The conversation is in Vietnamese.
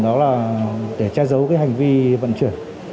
để che giấu hành vi vận chuyển